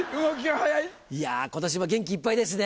今年も元気いっぱいですね。